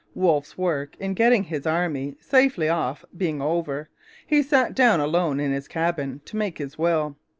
Wolfe's work in getting his army safely off being over, he sat down alone in his cabin to make his will.